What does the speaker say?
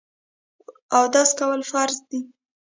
اودس کول فرض دي.